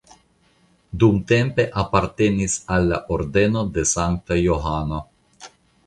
Dumtempe apartenis al la Ordeno de Sankta Johano.